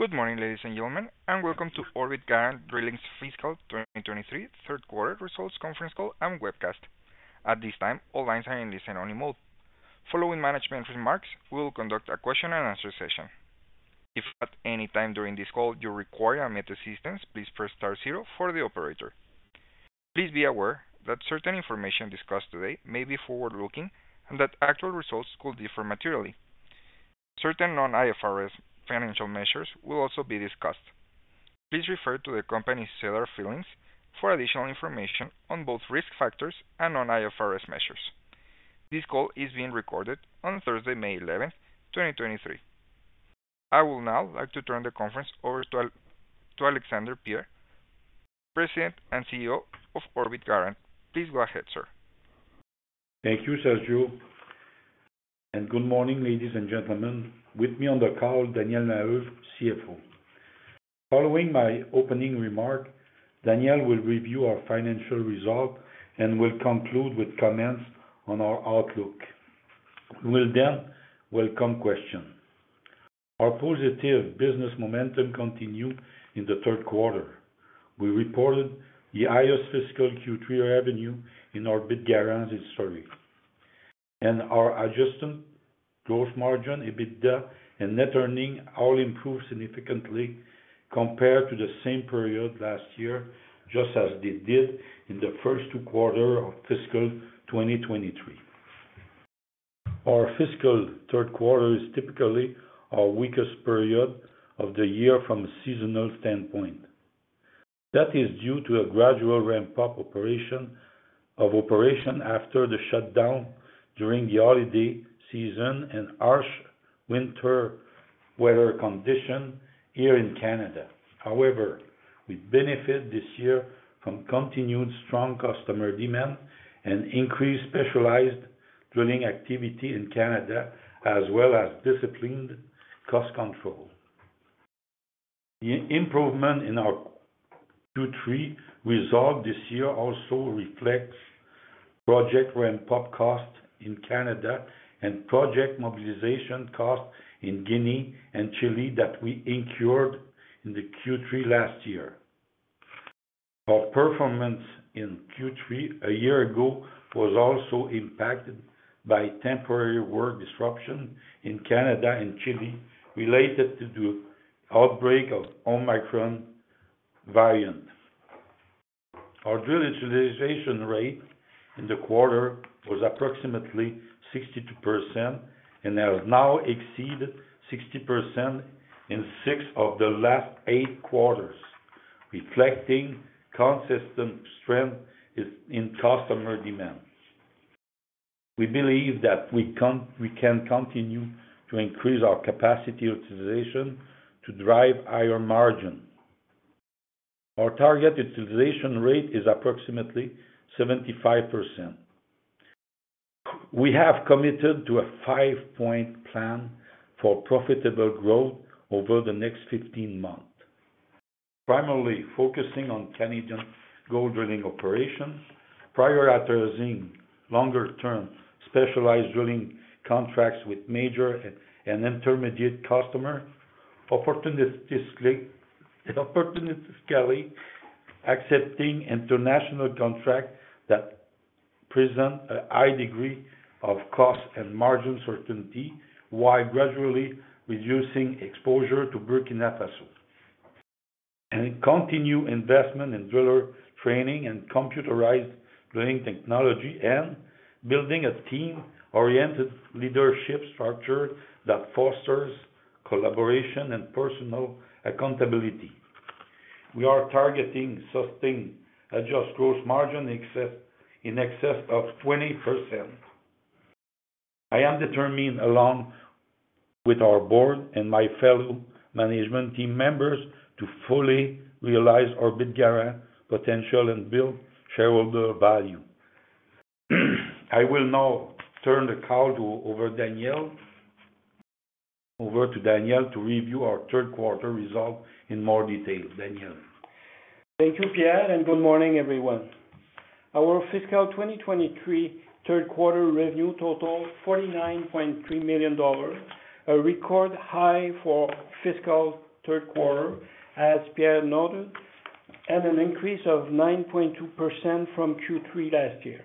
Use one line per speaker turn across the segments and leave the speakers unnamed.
Good morning, ladies and gentlemen, and welcome to Orbit Garant Drilling's Fiscal 2023 Third Quarter Results Conference Call and Webcast. At this time, all lines are in listen-only mode. Following management remarks, we will conduct a question-and-answer session. If at any time during this call you require immediate assistance, please press star zero for the operator. Please be aware that certain information discussed today may be forward-looking and that actual results could differ materially. Certain non-IFRS financial measures will also be discussed. Please refer to the company's SEDAR filings for additional information on both risk factors and non-IFRS measures. This call is being recorded on Thursday, May 11, 2023. I would now like to turn the conference over to Pierre Alexandre, President and CEO of Orbit Garant. Please go ahead, sir.
Thank you, Sergio. Good morning, ladies and gentlemen. With me on the call, Daniel Maheu, CFO. Following my opening remark, Daniel will review our financial results and will conclude with comments on our outlook. We'll welcome question. Our positive business momentum continued in the third quarter. We reported the highest fiscal Q3 revenue in Orbit Garant history. Our adjusted gross margin, EBITDA, and net earning all improved significantly compared to the same period last year, just as they did in the first two quarter of fiscal 2023. Our fiscal third quarter is typically our weakest period of the year from a seasonal standpoint. That is due to a gradual ramp-up of operation after the shutdown during the holiday season and harsh winter weather condition here in Canada. We benefit this year from continued strong customer demand and increased specialized drilling activity in Canada, as well as disciplined cost control. The improvement in our Q3 results this year also reflects project ramp-up costs in Canada and project mobilization costs in Guinea and Chile that we incurred in the Q3 last year. Our performance in Q3 a year ago was also impacted by temporary work disruption in Canada and Chile related to the outbreak of Omicron variant. Our drill utilization rate in the quarter was approximately 62% and has now exceeded 60% in six of the last eight quarters, reflecting consistent strength is in customer demand. We believe that we can continue to increase our capacity utilization to drive higher margin. Our target utilization rate is approximately 75%. We have committed to a 5-point plan for profitable growth over the next 15 months, primarily focusing on Canadian gold drilling operations prior to addressing longer-term specialized drilling contracts with major and intermediate customer. Opportunistically, accepting international contract that present a high degree of cost and margin certainty, while gradually reducing exposure to Burkina Faso. Continue investment in driller training and computerized drilling technology, and building a team-oriented leadership structure that fosters collaboration and personal accountability. We are targeting sustained adjusted gross margin in excess of 20%. I am determined, along with our board and my fellow management team members, to fully realize Orbit Garant potential and build shareholder value. I will now turn the call over to Daniel to review our third quarter results in more detail. Daniel.
Thank you, Pierre. Good morning, everyone. Our fiscal 2023 third quarter revenue totaled 49.3 million dollars, a record high for fiscal third quarter, as Pierre noted, an increase of 9.2% from Q3 last year.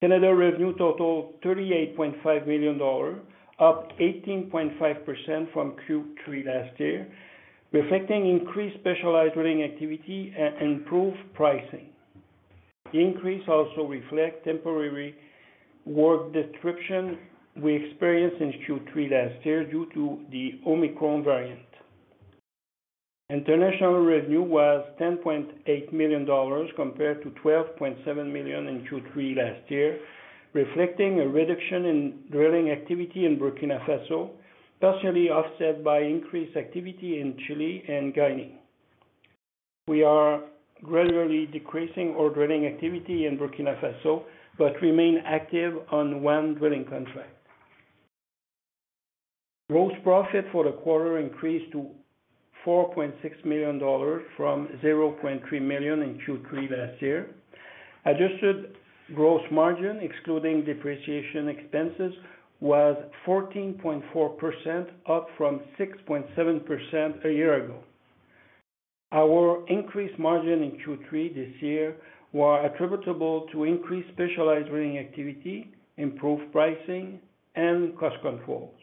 Canada revenue totaled 38.5 million dollars, up 18.5% from Q3 last year, reflecting increased specialized drilling activity and improved pricing. The increase also reflect temporary work disruption we experienced in Q3 last year due to the Omicron variant. International revenue was 10.8 million dollars compared to 12.7 million in Q3 last year, reflecting a reduction in drilling activity in Burkina Faso, partially offset by increased activity in Chile and Guinea. We are gradually decreasing our drilling activity in Burkina Faso, but remain active on one drilling contract. Gross profit for the quarter increased to 4.6 million dollars from 0.3 million in Q3 last year. Adjusted gross margin excluding depreciation expenses was 14.4%, up from 6.7% a year ago. Our increased margin in Q3 this year were attributable to increased specialized drilling activity, improved pricing, and cost controls.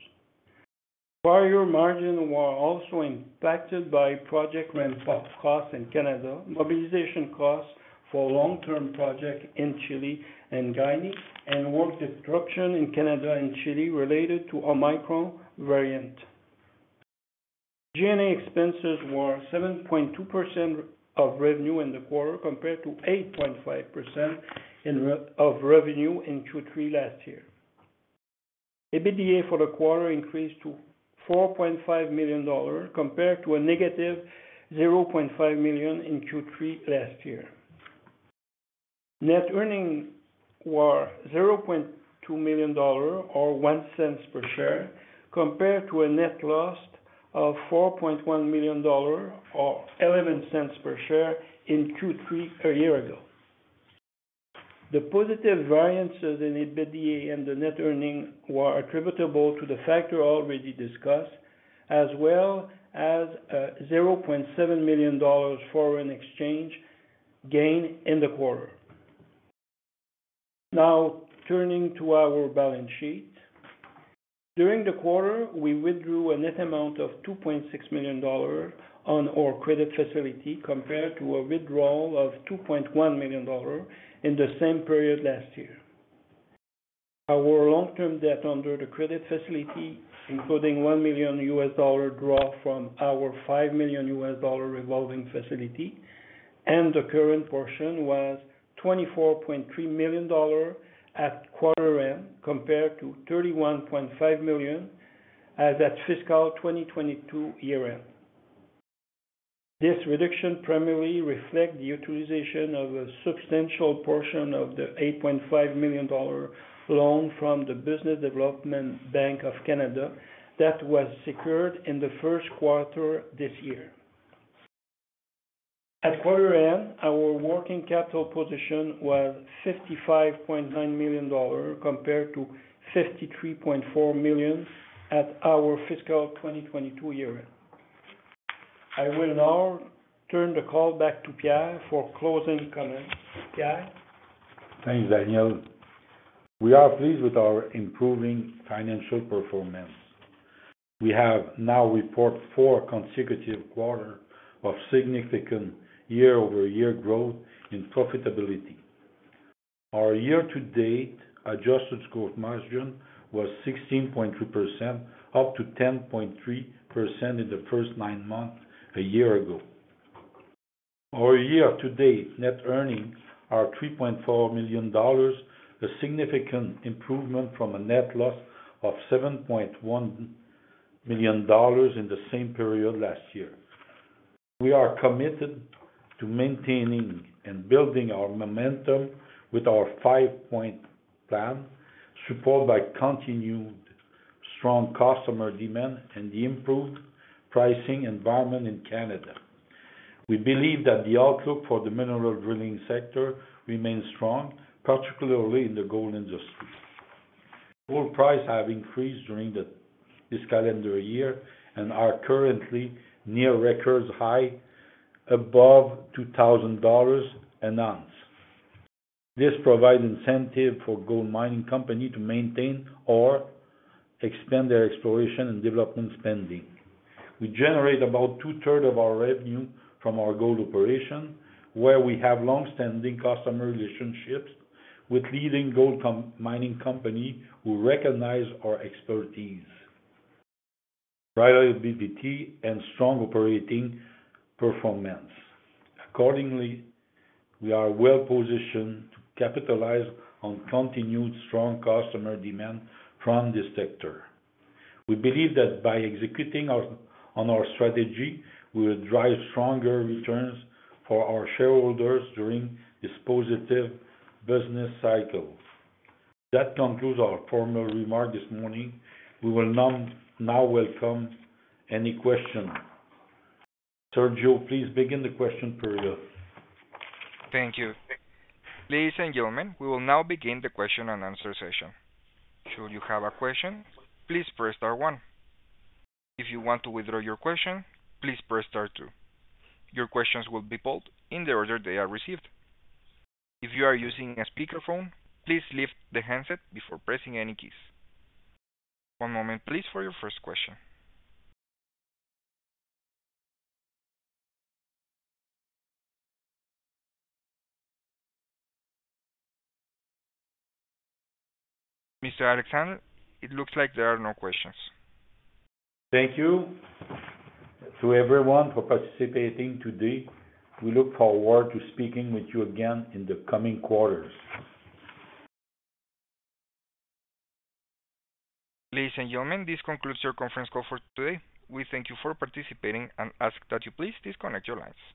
Prior margin were also impacted by project ramp-up costs in Canada, mobilization costs for long-term projects in Chile and Guinea, and work disruption in Canada and Chile related to Omicron variant. G&A expenses were 7.2% of revenue in the quarter compared to 8.5% of revenue in Q3 last year. EBITDA for the quarter increased to 4.5 million dollars compared to a negative 0.5 million in Q3 last year. Net earnings were 0.2 million dollar or 0.01 per share compared to a net loss of 4.1 million dollar or 0.11 per share in Q3 a year ago. The positive variances in EBITDA and the net earnings were attributable to the factor already discussed, as well as, 0.7 million dollars foreign exchange gain in the quarter. Now turning to our balance sheet. During the quarter, we withdrew a net amount of 2.6 million dollars on our credit facility compared to a withdrawal of 2.1 million dollars in the same period last year. Our long-term debt under the credit facility, including $1 million U.S. dollar draw from our $5 million U.S. dollar revolving facility, and the current portion was $24.3 million at quarter end compared to $31.5 million as at fiscal 2022 year end. This reduction primarily reflect the utilization of a substantial portion of the $8.5 million loan from the Business Development Bank of Canada that was secured in the first quarter this year. At quarter end, our working capital position was $55.9 million compared to $53.4 million at our fiscal 2022 year end. I will now turn the call back to Pierre for closing comments. Pierre?
Thanks, Daniel. We are pleased with our improving financial performance. We have now reported four consecutive quarter of significant year-over-year growth in profitability. Our year-to-date adjusted gross margin was 16.2%, up to 10.3% in the first nine months a year ago. Our year-to-date net earnings are 3.4 million dollars, a significant improvement from a net loss of 7.1 million dollars in the same period last year. We are committed to maintaining and building our momentum with our five-point plan, supported by continued strong customer demand and the improved pricing environment in Canada. We believe that the outlook for the mineral drilling sector remains strong, particularly in the gold industry. Gold price have increased during this calendar year and are currently near record high above 2,000 dollars an ounce. This provides incentive for gold mining company to maintain or expand their exploration and development spending. We generate about two-third of our revenue from our gold operation, where we have long-standing customer relationships with leading gold mining company who recognize our expertise, reliability, and strong operating performance. Accordingly, we are well positioned to capitalize on continued strong customer demand from this sector. We believe that by executing on our strategy, we will drive stronger returns for our shareholders during this positive business cycle. That concludes our formal remarks this morning. We will now welcome any question. Sergio, please begin the question period.
Thank you. Ladies and gentlemen, we will now begin the question and answer session. Should you have a question, please press star one. If you want to withdraw your question, please press star two. Your questions will be polled in the order they are received. If you are using a speakerphone, please lift the handset before pressing any keys. One moment please for your first question. Mr. Alexandre, it looks like there are no questions.
Thank you to everyone for participating today. We look forward to speaking with you again in the coming quarters.
Ladies and gentlemen, this concludes your conference call for today. We thank you for participating and ask that you please disconnect your lines.